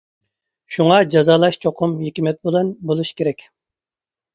شۇڭا جازالاش چوقۇم ھېكمەت بىلەن بولۇش كېرەك.